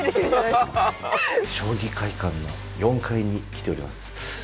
将棋会館の４Ｆに来ております。